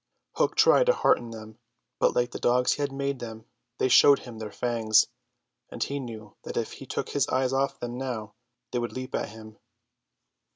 Hook tried to hearten them; but like the dogs he had made them they showed him their fangs, and he knew that if he took his eyes off them now they would leap at him.